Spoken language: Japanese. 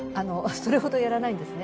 それほどやらないんですね。